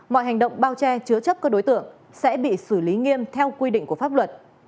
mọi hành động bao che chứa chấp các đối tượng sẽ bị xử lý nghiêm theo quy định của pháp luật